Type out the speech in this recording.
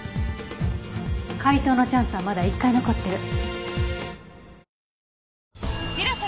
解答のチャンスはまだ１回残ってる。